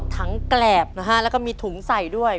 แกรบนะฮะแล้วก็มีถุงใส่ด้วย